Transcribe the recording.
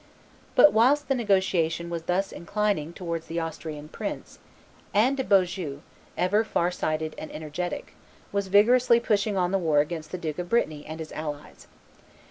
But, whilst the negotiation was thus inclining towards the Austrian prince, Anne de Beaujeu, ever far sighted and energetic, was vigorously pushing on the war against the Duke of Brittany and his allies.